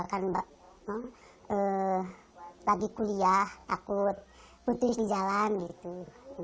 kan lagi kuliah takut putus di jalan gitu